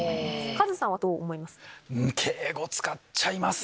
カズさんはどう思います？